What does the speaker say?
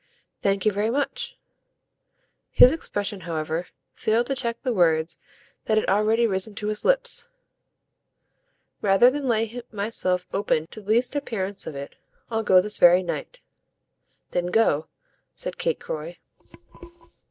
"Thank you very much." Her expression, however, failed to check the words that had already risen to his lips. "Rather than lay myself open to the least appearance of it I'll go this very night." "Then go," said Kate Croy.